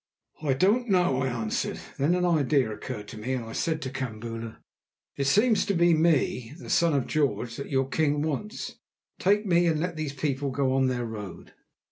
"I don't know," I answered. Then an idea occurred to me, and I said to Kambula: "It seems to be me, the son of George, that your king wants. Take me, and let these people go on their road."